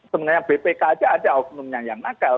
sebenarnya bpk aja ada oknumnya yang nakal